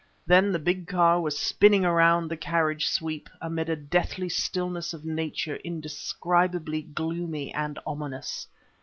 Then the big car was spinning around the carriage sweep, amid a deathly stillness of Nature indescribably gloomy and ominous.